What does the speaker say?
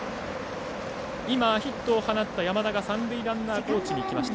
今、ヒットを放った山田が三塁ランナーコーチに行きました。